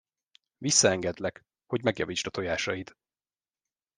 Visszaengedlek, hogy megjavítsd a tojásaid.